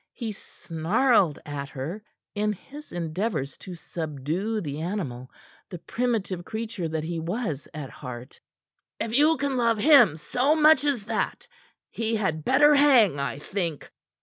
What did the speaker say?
He snarled at her, in his endeavors to subdue the animal, the primitive creature that he was at heart. "If you can love him so much as that, he had better hang, I think."